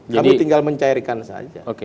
kami tinggal mencairkan saja